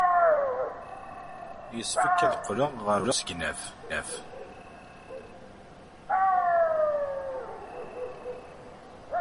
Yessefk ad qqleɣ ɣer usegnaf.